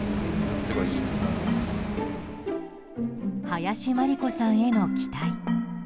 林真理子さんへの期待。